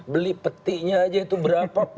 beli peti nya aja itu berapa